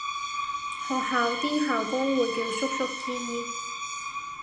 學校啲校工會叫叔叔姨姨